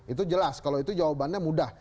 itu jelas kalau itu jawabannya mudah